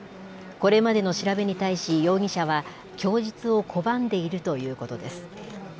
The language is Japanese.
これまでの調べに対し容疑者は、供述を拒んでいるということです。